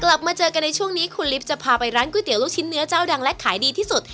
กลับมาเจอกันในช่วงนี้คุณลิฟต์จะพาไปร้านก๋วยเตี๋ลูกชิ้นเนื้อเจ้าดังและขายดีที่สุด